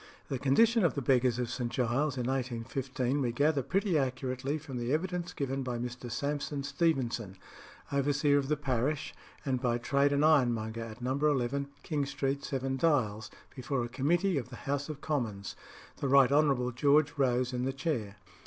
The condition of the beggars of St. Giles in 1815 we gather pretty accurately from the evidence given by Mr. Sampson Stevenson, overseer of the parish, and by trade an ironmonger at No. 11 King Street, Seven Dials, before a committee of the House of Commons, the Right Honourable George Rose in the chair.